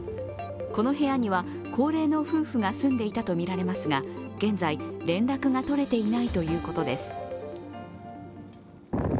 この部屋には高齢の夫婦が住んでいたとみられますが現在、連絡が取れていないということです。